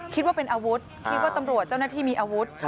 คิดว่าเป็นอาวุธคิดว่าตำรวจเจ้าหน้าที่มีอาวุธ